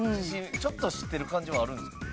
ちょっと知ってる感じはあるんですか？